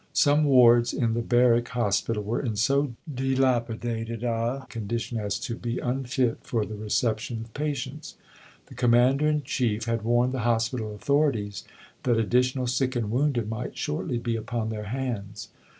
Some wards in the Barrack Hospital were in so dilapidated a condition as to be unfit for the reception of patients. The Commander in Chief had warned the hospital authorities that additional sick and wounded might shortly be upon their hands.